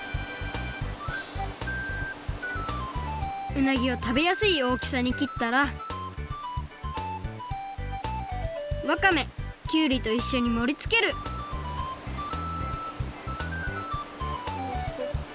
うなぎをたべやすいおおきさにきったらわかめきゅうりといっしょにもりつけるよそって。